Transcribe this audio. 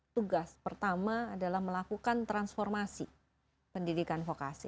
tugas pertama adalah melakukan transformasi pendidikan vokasi